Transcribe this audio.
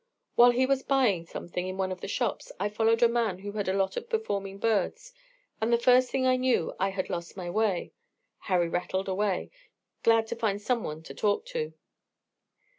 While he was buying something in one of the shops, I followed a man who had a lot of performing birds; and the first thing I knew I had lost my way." Harry rattled away, glad to find some one to talk to.